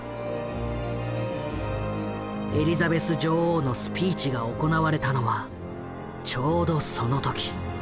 エリザベス女王のスピーチが行われたのはちょうどその時。